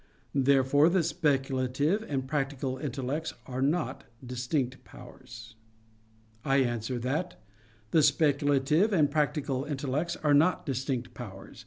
Therefore the speculative and practical intellects are not distinct powers. I answer that, The speculative and practical intellects are not distinct powers.